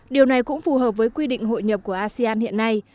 điều này cũng phù hợp với quy định hội nhập của asean hiện nay